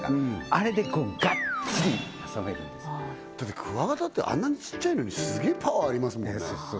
あれでガッチリ挟めるんですだってクワガタってあんなにちっちゃいのにすげえパワーありますもんね